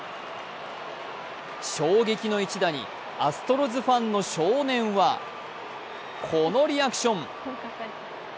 衝撃の一打にアストロズファンの少年は、このリアクション。